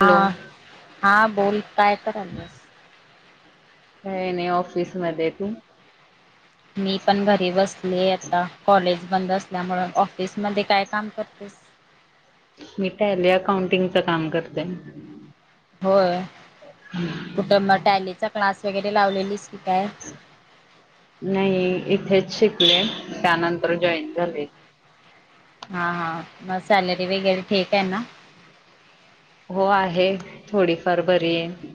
हा हॅलो हा बोल. काय करायल्यास? काय नाही ऑफिसमध्ये. तु? मी पण घरी बसलेय आता कॉलेज बंद असल्यामुळे. ऑफिसमध्ये काय काम करतेस? मी टैली अकाउंटिंगच काम करते. होय. कुठं म टॅलीचा क्लास वगैरे लावलेला दिस - नाही -इथे. शिकले. त्यानंतर जॉईन झाले. हा हा. म सॅलरी वगैरे ठीक आहे ना? हो आहे. थोडीफार बरी आहे.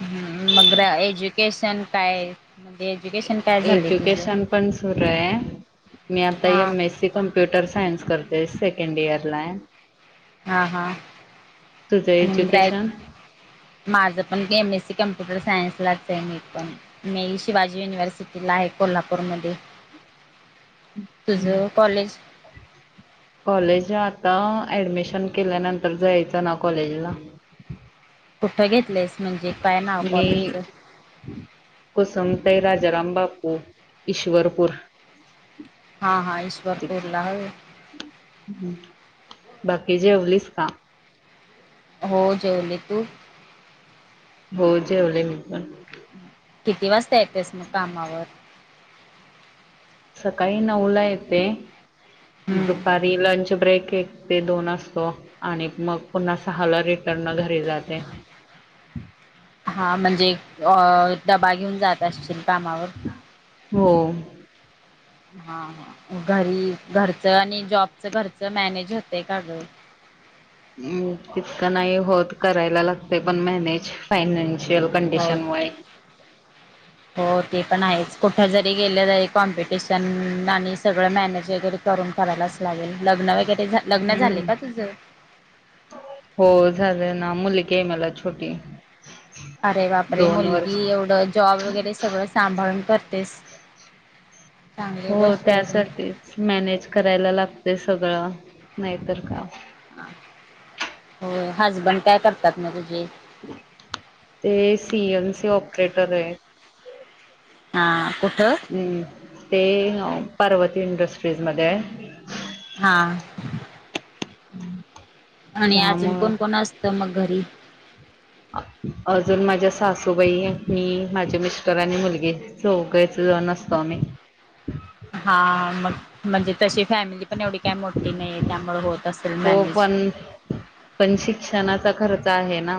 हम्. मग एज्युकेशन काय? म्हणजे एज्युकेशन काय झालंय तुझं? एज्युकेशन पण सुरु आहे. मी आता हा M S C computer science करतेए. सेकंड इयर ला आहे. हा हा. तुझं एज्युकेशन? माझ पण. एम एस सी कम्प्युटर सायन्सलाच आहे मी पण. म- शिवाजी युनिव्हर्सिटीला आहे कोल्हापूरमध्ये. तुझं कॉलेज? कॉलेज आता- ऍडमिशन केल्यानंतर जायचं ना कॉलेजला? कुठं घेतल आहेस? मी -को [unintelligible] जराम बापपू ईश्वरपूर. हा हां. ईश्वरपूरला. होय. ह. बाकी जेवलीस का? हो जेवले. तू? हो. जेवले मी पण. किती वाजता येतेस मग कामावर? सकाळी नऊ ला येते, हम्म दुपारी लंच ब्रेक- एक ते दोन असतो आणि मग पुन्हा सहाला रेट- हा म्हणजे अ- डबा घेऊन जात असशील कामावर. हो. हा ह. घरी -घरचं आणि जॉबच घरचं मॅनेज होतय का गं? [inaudible] ह हं. तितकं नाही होत. करायला लागतय पण मॅनेज फायनान - शियल हो कंडिशनमुळे. हो ते पण आहेच. कुठ जरी गेलं तरी कॉम्पिटिशन आणि- सगळं मॅनेज वगैरे करून करायलाच लागेल. लग्न वगैरे लग्न झाले हम्म. का तुझं हो झालं ना. मुली- ग मला छोटी. अरे बाप रे! दोन मुलगी वर्ष एवढं, जॉब वगैरे सगळं सांभाळून करते- तेस. हो. त्यासाठीच मॅनेज करायला लागतय सगळं नाहीतर काय? हो. हजबंड काय करतात म तुझे? ते सी एम सी ऑपरेटर आहेत. हा. कुठं? हम्. ते पार्वती इंडस्ट्रीज मध्ये आहे. हा. हम्. आणि अजून कोण कोण असत मग घरी? ह अजून माझ्या सासूबाई आहेत. मी माझे मिस्टर आणि मुलगी. चौघच जण असतो. [unintelligible] हा. मग म्हणजे तशी फॅमिली- पण एवढी काही मोठी नाहीए. त्यामुळे होत असेल हो मॅनेज. पण जाहे ना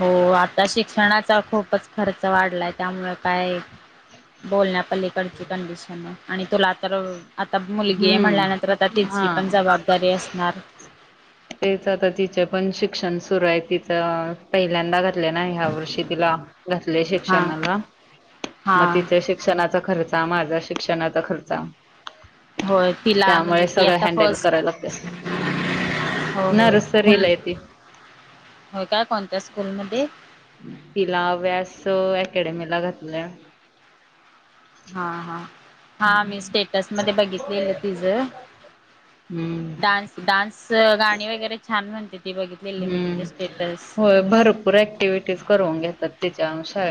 हो आता शिक्षणाचा खूपच खर्च वाढलाय त्यामुळं काय बोलण्यापलीकडची कंडिशन आहे आणि तुला तर आता मुलगी हम्म म्हणल्यानंतर आता हा तिची पण जबाबदारी असणार तेच आता तिच पण शिक्षण सुरू आहे तिचं पहिल्यांदाात ह वर्षी तिला घ हा श्षणा मग हा ति श्षणा खर्च माझा शिक्षणाचा खर्च होय तिला म्हणजे त्यामुळे ती सगळं आता हॅनडल फर्स्ट करायला लागतेस हो नाही होय रु मुल सरीलायती होय काय कोणत्या स्कूलमध्ये तिला व्यास ला घातलं हा हा हा मी स्टेटस मध्ये बघितलेलं तिझ हम्म. डान्स डान्स गाणी वगैरे छान म्हणते ती बघितलेली मी तिचे स्टेटस हम्म होय भरपूर ऍक्टिव्हटीज करून घेतात त्यािच्या अनुसार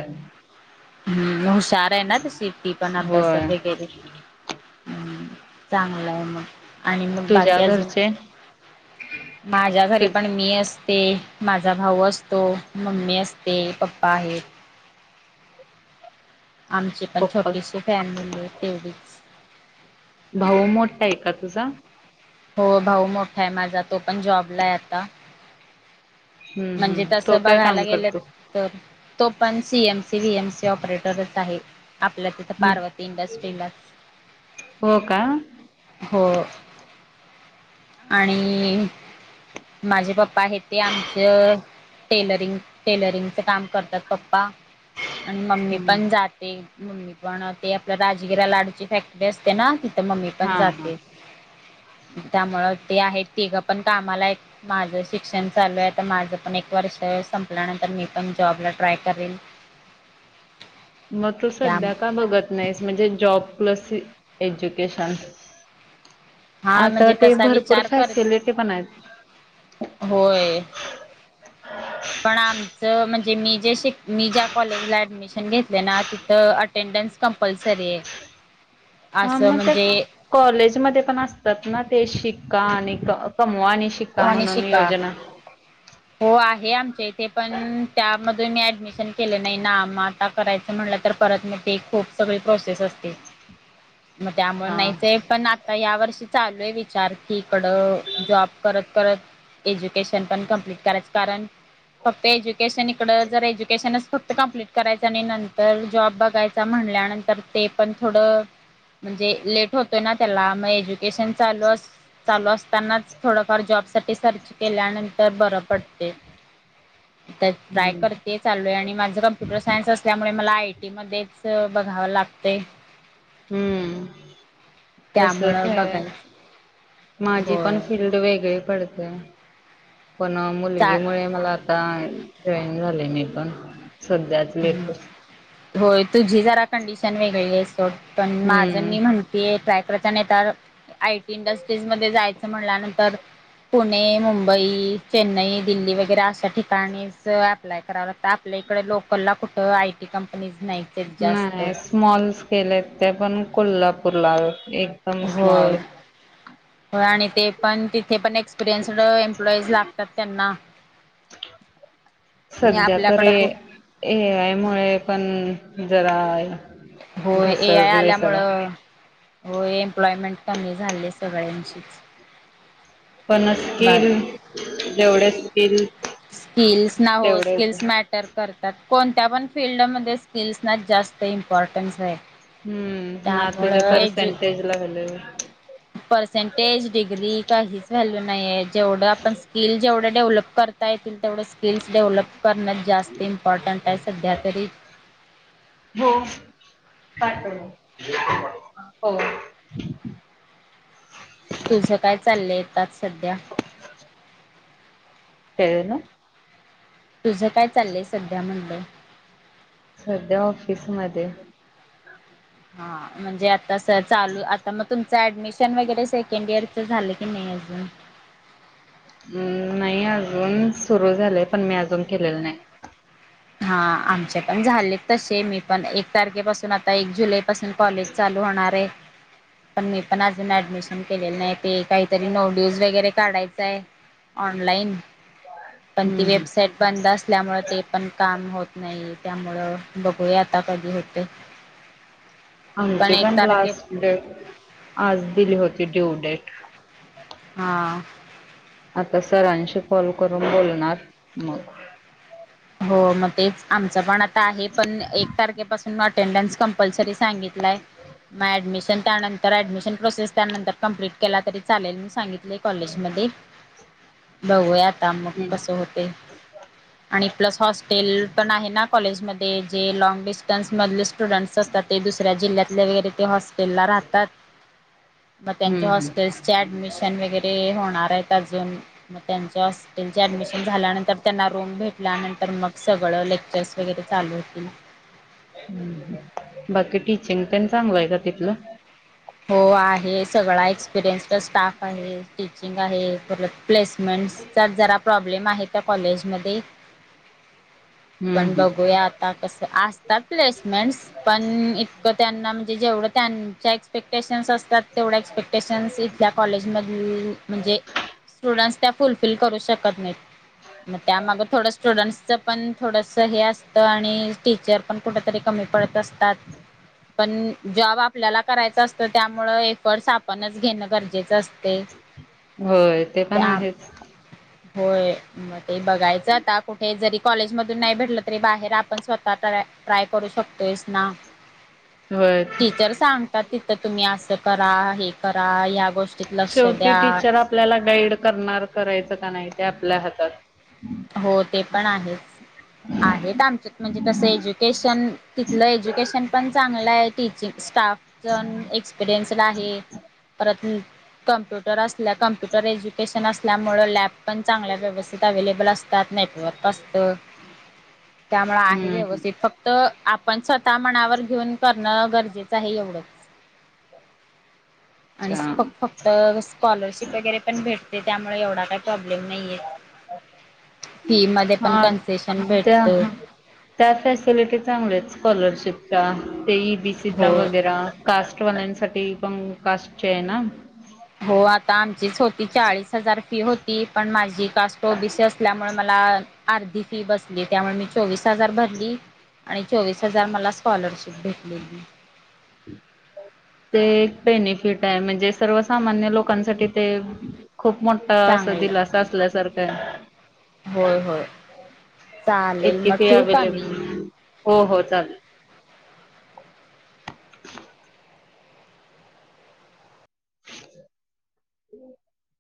हम्म हुशार आहे ना तर शिफ्टती पण होय अभ्यासात वगैरे हम्म चांगलं आहे मग आणि मग तुझ्या बाकीजून घरचे माझ्या तु घरी पण मी ते माझा भाऊ असतो मम्मी असते पप्पा आहेत आमची पण पप्पा छोटीशी फॅमिली तेवढीच भाऊ मोठा आहे का तुझा हो भाऊ मोठा आहे माझा तो पण जॉबला आहे आता हम्म म्हणजे हम्म तस तो काय बघायला काम गेलं करतो? तर तो पण सीएमसी वएमसी ऑपरेटरच आहे आपल्या तिथ हम्म पार्वती इंडस्ट्रीला हो का हो आणि माझे पप्पा आहे ते आमचं टेलरिंग टेलरिंगच काम करतात पप्पा आणि मम्मी हम्म पण जाते मम्मी पण ते आपल्या राजगिरा लाडूची फॅक्टरी असते ते ना तिथं मम्मी पण हा हा. जाते त्यामु ते आहेत तिघं पण कामाला आहे माझं शिक्षण चालू आहे तर माझं पण एक व संपल्यानंतर मी पण जॉबला ट्राय करेन मग तू सध्या का बघत नाहीस म्हणजे जॉब प्लस एज्युकेशन हा आता म्हणजे ते तसा भरपूर विचार कर फॅसिलिटी पण आहेत होय पण आमच म्हणे मी ज मी ज्या कॉलेज डमिशन घेतले ना तिथ अेंड कपसरी अंऽमग कॉलेजमध्ये पण असतात ना, ते शिक्का आणि ऽकमऽ कमवा आनी शिक्का आणि मनून योजना. हे आमच्या इथे पण त्यामधून मी ऍडमिशन केले नाही ना मगऽऽ करायच म्हटलं तर परत मी ते खूप सगळं ऽ प्रोसेस असते, मग त्यामुळे हा नाहीच पण आऽ आता या वर्षी चालू आहे विचार की इकडं जॉबऽऽ करत, करत एज्युकेशन पण कंप्लिट करायच कारण फक्त ऐजूऽऽ केशन इकडं, जर एज्युकशनच फक्त कंप्लीट कयचऽ आणि नंतर जॉब बघाय म्हणल्यानंतर ते पण थोड म्हणजेऽऽ लेट होतोय ना त्याला मग एज्युकेशन चालू अस चालू असतानाचऽऽ थोडफार जॉब साठी सर्च केल्यानंतर बरं पडतय. ट्राय हम्म. करतेय चालूय, आणि माझं कम्प्युटर सायन्स असल्यामुळे मला आयटी मध्येचऽऽ बघाव लागतय. हम्म तसच त्यामुळं आहे बघायऽऽ माझी पण फिल््ड वेगळी पडतेय. पण चा मुलगी मुळे मला आता जॉईन झालेय मी पण. [unintelligible] होय तुझी जरा कंडिशन वेगळीय सोड पण माझ हम्म मी म्हणतीॅय. नता आयटी इंडस्ट्रीज मध्ये जायचं म्हणल्यानंतर पुणे, मुंबई, चेन्नई, दिल्ली, वगैरे अशा ठिकाणीच अप्लाय कराव लागतं आप इकडे लोकल ला कुठं आयटी कंपनी. नाही नाही स्मॉल स्केल आहेत त्या पण कोल्हापूर ला एकदम होय स्मॉल. होय आणि ते पण तिथे पण एक. एक्सपिरियन्सड एम्प्लॉईज लागतात त्यांना. आणि सध्या त आपल्याकडं कुठ एआय मुळे पण जराय. होय, ए आय आल्यामु हो एम्प्लॉयमेंट कमी झाले सगळ्यांशीच. पण स्किल, जेवढे स्किल. स्किल्स ना हो तेवढे स्किल्स मॅटर. करतात कोणत्या पण फिल्डमध्ये स्किल्स ना जास्त इमपॉर्टनस आहे हम्म ना तुझ्या त्यामुळेजर्ध पर्सेंटेज ला व्हॅल्यू पर्सेंटेज डिग्री काहीच व्हॅल्यू नाहीय. जेवढं आपण स्किल, जेवढं डेव्हलप करता येतील तेवढं स्किल्स डेव्हलप उप करण्यात जास्त इम्पॉर्टंट आहे सध्या तरी. हो. पाठव हो. तुझं काय चाललंय, येतात सध्या. काय झालं. तुझ काय चाललंय सध्या म्हणलं. सध्या ऑफिस मध्ये हा म्हणजे आता स चालू आता मग तुमचं ऍडमिशन वगैरे सेकंड इयरच झालेय. क नाही अजून. अ् नाही अजून सुरू झालेय, पण मी अजून केलेलं नाही. हा आमचे पण झालेत तसे मी पण एक तारखेपासून आता एक जुलै पासून कॉलेज चालू होणार य. पण मी पण अजून ऍडमिशन केलेलं नाही ते काहीतरी नोट्यूज वगैरे काढायचं या. ऑनलाईन पण ती हम्म हम्म वेबसाईट बंद असल्यामुळे ते पण काम होत नाही त्यामुळं बघूया आता कधी होतेय. आमची पण लास्ट डेट आज दिली होती ड्यू डेट. हा. आता सरांशी कॉल करून बोलणार मग. हो मग तेच आमचं पण आता आहे पण एक तारखेपासून अटेंडनस कंपल्सरी सांगितलाय. मग डमिशन त्यानंतर ऍडमिशन प्रोसेस त्यानंतर कमप्लीट केला तरी चालेल मी सांगित लय कॉलेजमध्ये बघूया आता मग कसं होते आणि, प्लस हॉस्टेल पण आहे ना कॉलेजमध्येध्ये जे लँग डिस्ट न्स मधले स्टुडंट्स असतात ते दुसऱ्या जिल्ह्यातल्या वगैरे ते हॉस्टेलला राहतात. मग त्यांच्या हम्म हम्म हॉस्टेल्सचे ऍडमिशन वगैरे होणार आहेत अजून मग त्यांच्या हॉस्टे ल चडमिशन झाल्यांतर त्यांना रूम भेट त्यानंतर मग सगळं लेक्चर्स वगैरे चालू होतील. बाकी टीचिंग प चांगल आहे का तिथलं. हो आहे सगळा एक्सपिरियन्स्ड स्टाफ आहे टीचिंग आहे. परत प्लेसमेंट्सचा जरा प्रॉब्लेम आहे त्या कॉलेजमध्ये. हम्म पण हम्म बघूया आता कस असतात प्लेसमेंट्स पण इतकं त्यांना जेवढं त्यांच्या एक्स टेंशयन्स असतात तेवढ्या एक्सपेक्टेशन्स इथल्या कॉलेजमध--म्हणजे स्टुडंट्स त्या फुलफिल करू शकत नाहीत. मग त्यामाग थोडं स्टुडंट्सच पण थोडस हे असतं, आणि टीचर पण कुठ तरी कमी कमी पडत असतात पण जॉब आपल्या करायचं असतं त्यामुळ एफर्टस आपणच घेणं गरजेचं असत होय ते पण आहेच. होय मग ते बघायचं आता कुठे जरी कॉलेजमधून नाही भेटलं तरी बाहेर आपण स्वतः ट्राय ट्राय करू शकतोयस ना. होय टीचर सांगतात तिथं तुम्ही असं करा हे करा या गोष्टी शेवटी टीचर आपल्याला गाईड करणार करायचं का नाही ते आपल्या हातात. हो ते पण आहेच. आहेत आमच्या म्हणजे तस एज्युकेशन तिथलं एज्युकेशन पण चांगलं आहे टीचिंग स्टाफजण एक्सपिरियन्सड आहेत परत कम्प्युटर असल्या कम्प्युटर एज्युकेशन असल्यामुळे लॅब पण चांगल्या व्यवस्थेत एवेलेबल अस नेटवर्क असत त्यामुळे आहे हम्म व्यवस्थित फक्त आपण स्वतः मनावर घेऊन करणं गरजेचं आहे एवढंच. आणि अच्छा फ -फक्त स्कॉलरशिप वगैरे पण भेटते त्या त्यामुळे एवढा काही प्रॉब्लेम नाहीये. फी मध्ये पण हा कन्सेशन त्या भेटत -त्या फॅसिलिटी चांगल्या आहेत स्कॉलरशिप [unintelligible] ते ई बीसीचा हो वगैरा कास्टवाल्यांसाठी पण कास्टचे आहे ना. हो आता आमचीच होती चाळीस हजार फी होती पण माझी कास्ट ओबीसी असल्यामुळे मला अर्धी फी बसली त्यामुळे मी चोवीस हजार भरली. आणि चोवीस हजार मला स्कॉलरशिप भेटलेली. [inaudible] ते एक बेनिफिट आहे म्हणजे सर्वसामान्य लोकांसाठी ते खूप मोठा असा चांगलं दिलासा असल्यासारखं हाय. होय [inaudible] होय चालेल इतकी मग फी ठेवू का मी अवेलेबल हो -हो चालेल. [inaudible] हम्. [inaudible]